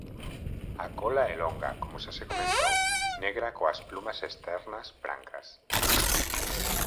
A cola é longa como xa se comentou, negra coas plumas externas brancas.